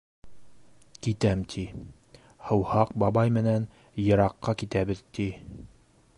- Китәм, ти. һыуһаҡ бабай менән йыраҡҡа китәбеҙ, ти!